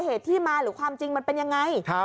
เหตุที่มาหรือความจริงมันเป็นยังไง